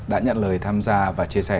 đã nhận lời tham gia và chia sẻ